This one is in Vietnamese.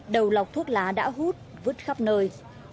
đầu lọc thuốc lá đã hút vứt khắp nơi